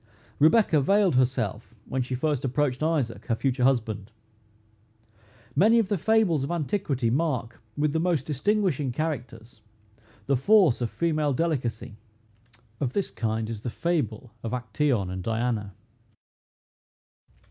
Rebecca veiled herself when she first approached Isaac, her future husband. Many of the fables of antiquity mark, with the most distinguishing characters, the force of female delicacy. Of this kind is the fable of Actæon and Diana.